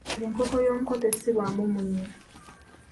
Enkoko y’omuko tessibwamu munnyo.